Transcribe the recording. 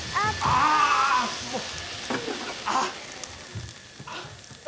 あぁもう。